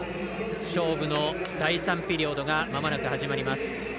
勝負の第３ピリオドがまもなく始まります。